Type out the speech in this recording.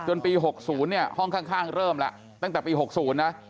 ปี๖๐เนี่ยห้องข้างเริ่มแล้วตั้งแต่ปี๖๐นะ